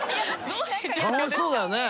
楽しそうだよね